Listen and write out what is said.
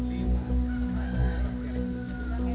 berjalan terus berjalan